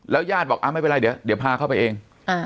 แล้วย่างบอกอ้าวไม่เป็นไรเดี๋ยวพาเข้าไปเอง